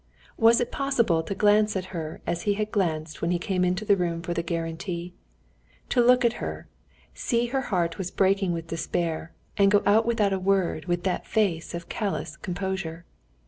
Was it possible to glance at her as he had glanced when he came into the room for the guarantee?—to look at her, see her heart was breaking with despair, and go out without a word with that face of callous composure?